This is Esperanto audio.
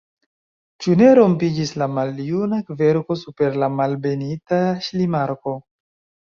Ĉu ne rompiĝis la maljuna kverko super la Malbenita Ŝlimakvo?